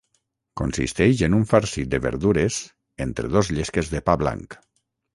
Consisteix en un farcit de verdures entre dos llesques de pa blanc.